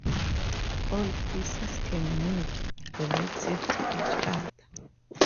All pieces can move relative to each other.